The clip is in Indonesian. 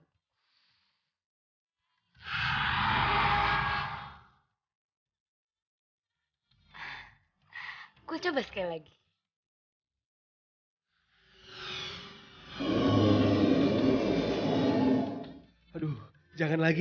aku akan coba sekali lagi